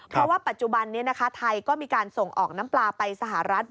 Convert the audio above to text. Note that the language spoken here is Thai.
เพราะว่าปัจจุบันนี้ไทยก็มีการส่งออกน้ำปลาไปสหรัฐ